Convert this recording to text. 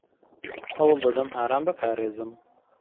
ھەوڵ دەدەم ئاران بپارێزم.